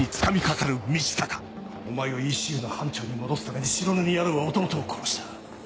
お前をＥＣＵの班長に戻すために白塗り野郎は弟を殺した。